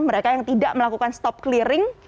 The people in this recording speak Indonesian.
mereka yang tidak melakukan stop clearing